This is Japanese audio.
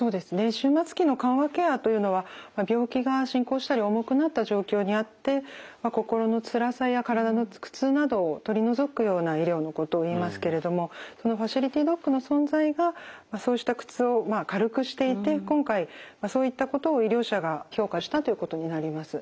終末期の緩和ケアというのは病気が進行したり重くなった状況にあって心のつらさや体の苦痛などを取り除くような医療のことをいいますけれどもそのファシリティドッグの存在がそうした苦痛を軽くしていて今回そういったことを医療者が評価したということになります。